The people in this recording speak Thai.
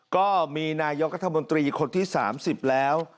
ก็มีนายกรรธมนตรีคนที่สามสิบแล้ว